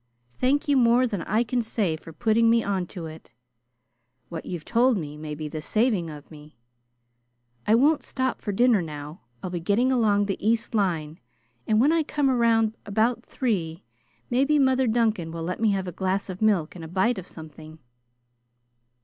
Thank you more than I can say for putting me on to it. What you've told me may be the saving of me. I won't stop for dinner now. I'll be getting along the east line, and when I come around about three, maybe Mother Duncan will let me have a glass of milk and a bite of something."